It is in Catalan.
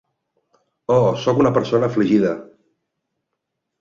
Oh, sóc una persona afligida.